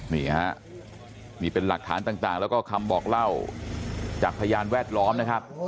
นี่ฮะนี่เป็นหลักฐานต่างแล้วก็คำบอกเล่าจากพยานแวดล้อมนะครับ